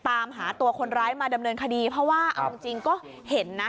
ตามหาตัวคนร้ายมาดำเนินคดีเพราะว่าเอาจริงก็เห็นนะ